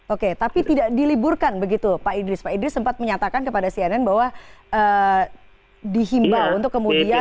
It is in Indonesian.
oke tapi tidak diliburkan begitu pak idris pak idris sempat menyatakan kepada cnn bahwa dihimbau untuk kemudian